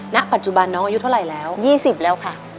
ณปัจจุบันน้องอายุเท่าไหร่แล้ว๒๐แล้วค่ะ